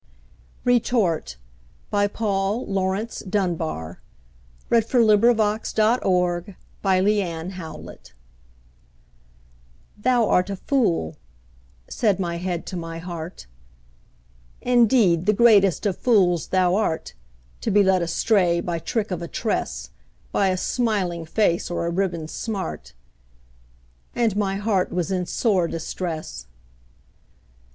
ll is well. Paul Laurence Dunbar Retort THOU art a fool," said my head to my heart, "Indeed, the greatest of fools thou art, To be led astray by trick of a tress, By a smiling face or a ribbon smart;" And my heart was in sore distress.